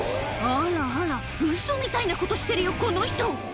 あらあら、ウソみたいなことしてるよ、この人。